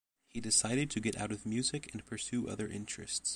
He decided to get out of music and pursue other interests.